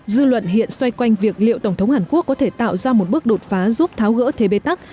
dư luận hiện xoay quanh việc liệu tổng thống hàn quốc có thể tạo ra một bước đột phá giúp tháo gỡ thế bê tắc